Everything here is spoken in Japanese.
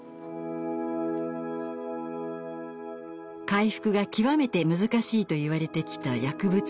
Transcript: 回復が極めて難しいといわれてきた薬物依存。